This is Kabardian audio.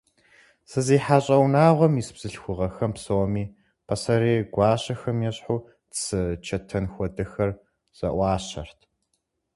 СызихьэщӀэ унагъуэм ис бзылъхугъэхэм псоми, пасэрей гуащэхэм ещхьу, цы, чэтэн хуэдэхэр зэӀуащэрт.